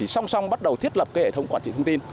xong xong bắt đầu thiết lập hệ thống quản trị thông tin